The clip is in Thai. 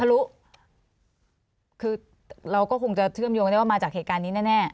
รู้คือเราก็คงจะเชื่อมโยงได้ว่ามาจากเหตุการณ์นี้แน่